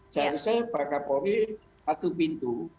saya rasa pak kapolri satu pintu